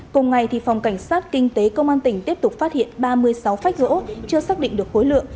cùng ngày phòng cảnh sát kinh tế công an tỉnh tiếp tục phát hiện ba mươi sáu phách gỗ chưa xác định được khối lượng